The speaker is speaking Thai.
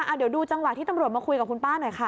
เดี๋ยวดูจังหวะที่ตำรวจมาคุยกับคุณป้าหน่อยค่ะ